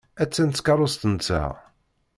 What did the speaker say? Attan tkeṛṛust-nteɣ.